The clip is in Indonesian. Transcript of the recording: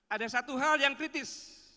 ada satu hal yang kritis